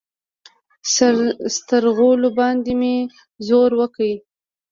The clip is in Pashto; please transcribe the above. سترغلو باندې مې زور وکړ.